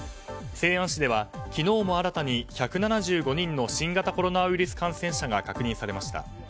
西安市では昨日も新たに１７５人の新型コロナウイルス感染者が確認されました。